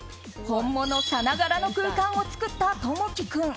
本物さながらの空間を作ったトモキ君。